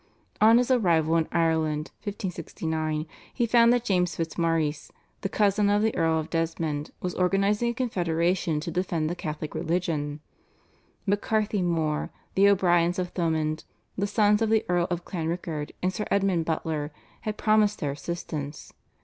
On his arrival in Ireland (1569) he found that James Fitzmaurice, the cousin of the Earl of Desmond, was organising a confederation to defend the Catholic religion. MacCarthy Mor, the O'Briens of Thomond, the sons of the Earl of Clanrickard, and Sir Edmund Butler had promised their assistance.